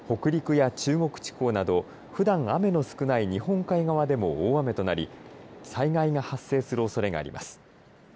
北陸や中国地方などふだん雨の少ない日本海側でも大雨となり、災害が発生するおそれがあります。